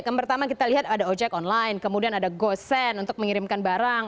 yang pertama kita lihat ada ojek online kemudian ada gosen untuk mengirimkan barang